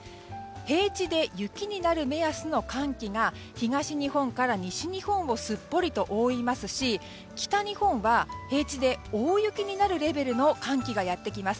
平地で雪になる目安の寒気が東日本から西日本をすっぽりと覆いますし北日本は平地で大雪になるレベルの寒気がやってきます。